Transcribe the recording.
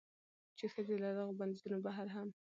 چې ښځې له دغو بندېزونو بهر هم